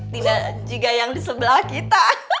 tidak juga yang di sebelah kita